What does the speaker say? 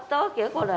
これ。